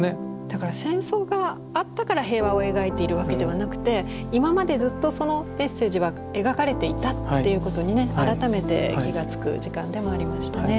だから戦争があったから平和を描いているわけではなくて今までずっとそのメッセージは描かれていたっていうことにね改めて気がつく時間でもありましたね。